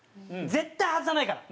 絶対外さないから。